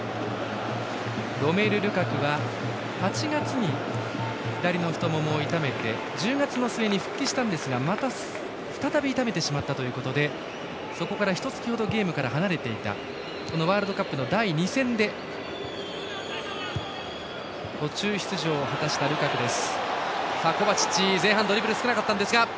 ロメル・ルカクは８月に左の太ももを痛めて１０月の末に復帰したんですがまた再び傷めてしまったということでそこから、ひとつきほどゲームから離れていたワールドカップの第２戦で途中出場を果たしたルカクです。